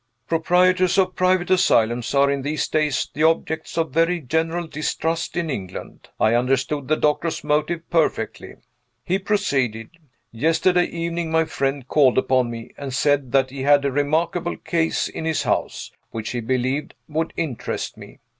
Proprietors of private asylums are, in these days, the objects of very general distrust in England. I understood the doctor's motive perfectly. He proceeded. "Yesterday evening, my friend called upon me, and said that he had a remarkable case in his house, which he believed would interest me.